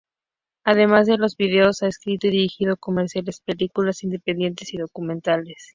Además de los videos, ha escrito y dirigido comerciales, películas independientes y documentales.